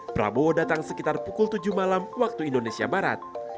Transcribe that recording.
prabowo datang sekitar pukul tujuh malam waktu indonesia barat